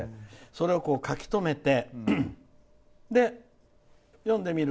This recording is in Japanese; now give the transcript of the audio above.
それを書き留めて。